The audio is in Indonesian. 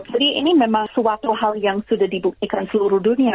jadi ini memang suatu hal yang sudah dibuktikan seluruh dunia